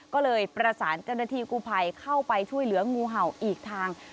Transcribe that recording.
ก็เลยประสานกรณฑีกูภัยเข้าไปช่วยเหลืองูเห่าอีกทาง